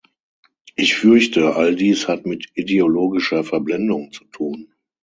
Ich fürchte, all dies hat mit ideologischer Verblendung zu tun.